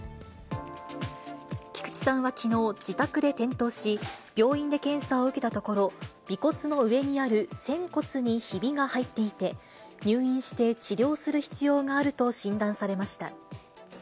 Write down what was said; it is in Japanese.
菊池さんはきのう、自宅で転倒し、病院で検査を受けたところ、尾骨の上にある仙骨にひびが入っていて、入院して治療する必要があると診断されました。